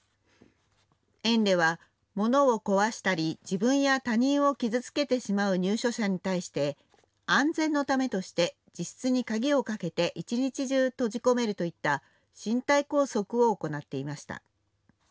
園では、ものを壊したり、自分や他人を傷つけてしまう入所者に対して、安全のためとして、自室に鍵をかけて一日中閉じ込めるといった身体拘束を行っていました。